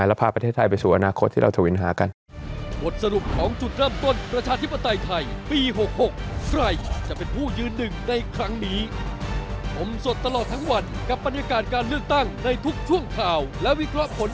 และพาประเทศไทยไปสู่อนาคตที่เราทวินหากัน